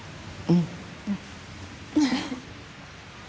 うん。